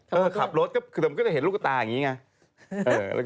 เออขับรถก็จะเห็นลูกตากี้ไง